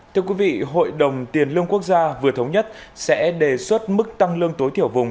thưa quý vị hội đồng tiền lương quốc gia vừa thống nhất sẽ đề xuất mức tăng lương tối thiểu vùng